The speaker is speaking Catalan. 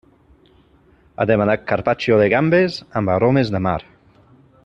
Ha demanat carpaccio de gambes amb aromes de mar.